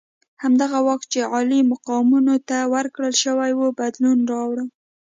همدغه واک چې عالي مقامانو ته ورکړل شوی وو بدلون راوړ.